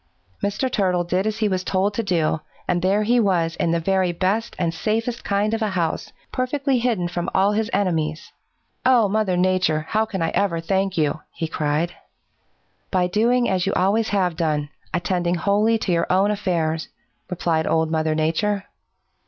"Mr. Turtle did as he was told to do, and there he was in the very best and safest kind of a house, perfectly hidden from all his enemies! "'Oh, Mother Nature, how can I ever thank you?' he cried. "'By doing as you always have done, attending wholly to your own affairs,' replied Old Mother Nature.